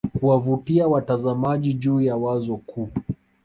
kuwavutia watazamaji juu ya wazo kuu